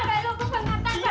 tengok gerak dia nanti